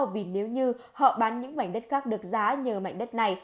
vì nếu như họ bán những mảnh đất khác được giá nhờ mảnh đất này